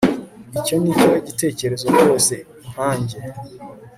Icyo nicyo gitekerezo rwose nkanjye